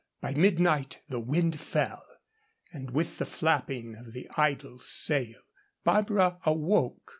By midnight the wind fell, and with the flapping of the idle sail Barbara awoke.